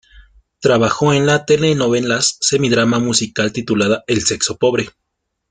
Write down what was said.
Trabajó en la telenovelas semi-drama musical titulada "El sexo pobre".